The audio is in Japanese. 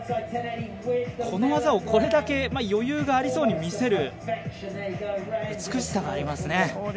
この技をこれだけ余裕がありそうに見せる美しさがありますね。